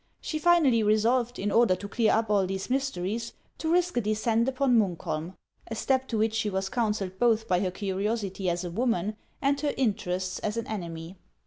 She finally resolved, in order to clear up all these mysteries, to risk a descent upon Munkholm, — a step to which she was counselled both by her curiosity as a woman and her interests as an enemy.